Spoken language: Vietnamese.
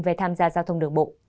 về tham gia giao thông đường bộ